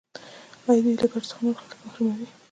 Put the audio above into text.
آیا دوی له دې ګټو څخه نور خلک محروموي؟